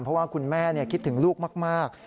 เพราะว่าคุณแม่คิดถึงลูกมาก